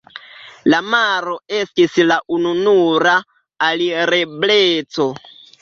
La maro estis la ununura alirebleco.